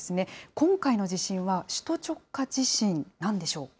今回の地震は首都直下地震なんでしょうか。